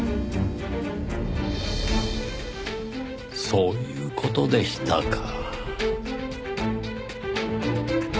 そういう事でしたか。